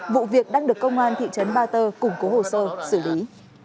vụ việc đang được công an thị trấn ba tơ củng cố hồ sơ xử lý